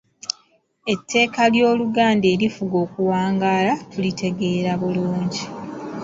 Etteeka ly’Oluganda erifuga okuwangaala tulitegeera bulungi.